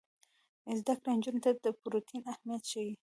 زده کړه نجونو ته د پروټین اهمیت ښيي.